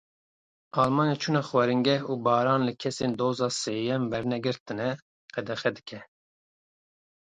Almanya çûna xwaringeh û baran li kesên doza sêyem wernegirtine qedexe dike.